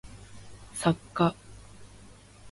作家